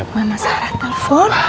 mama sarah telpon